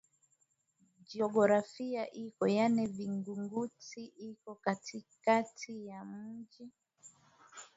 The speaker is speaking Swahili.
jeografia iko yaani vingunguti iko katikati ya mji